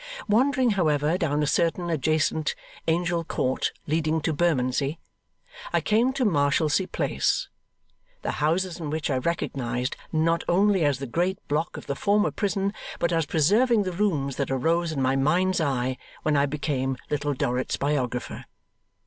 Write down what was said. Wandering, however, down a certain adjacent 'Angel Court, leading to Bermondsey', I came to 'Marshalsea Place:' the houses in which I recognised, not only as the great block of the former prison, but as preserving the rooms that arose in my mind's eye when I became Little Dorrit's biographer.